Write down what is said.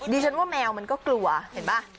ดิฉันว่าแมวมันก็กลัวเห็นป่ะ